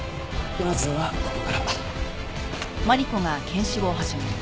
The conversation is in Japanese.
まずはここから。